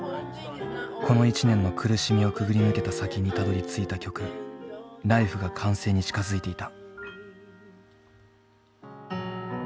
この１年の苦しみをくぐり抜けた先にたどりついた曲「Ｌｉｆｅ」が完成に近づいていた。